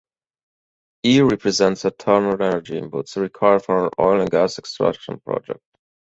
E represents external energy inputs required for an oil and gas extraction project.